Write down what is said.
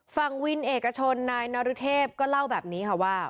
ฝั่งวินเอกชนนายนรุเทพก็เล่าแบบนี้ค่ะว่า